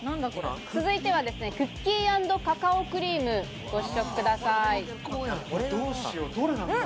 続いてはクッキー＆カカオクリームご試食ください。